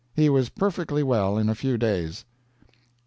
He was perfectly well in a few days."